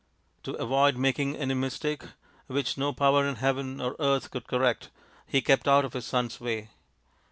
To avoid making any mistake, which no power in heaven or earth could correct, he kept out of his son's way.